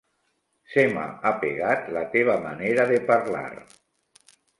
Se m'ha apegat la teva manera de parlar.